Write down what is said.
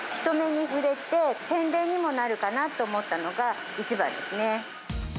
人目に触れて、宣伝にもなるかなと思ったのが、一番ですね。